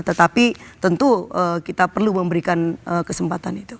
tetapi tentu kita perlu memberikan kesempatan itu